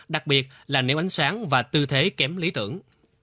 đặc biệt là nếm ánh sáng và tư thế kém lý tưởng